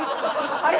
あれ？